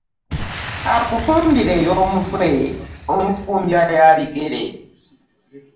Akufumbira ey'omutwe omufumbira yabigere.